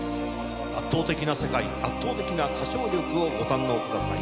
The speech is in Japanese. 圧倒的な世界圧倒的な歌唱力をご堪能ください。